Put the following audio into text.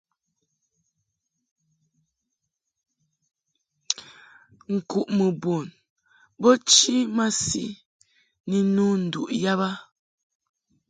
Nkuʼmɨ bun bo chi masi ni nno nduʼ yab a.